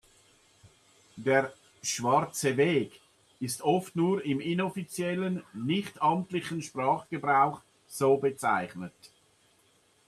Der „Schwarze Weg“ ist oft nur im inoffiziellen, nichtamtlichen Sprachgebrauch so bezeichnet.